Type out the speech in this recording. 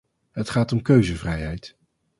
Het gaat om keuzevrijheid.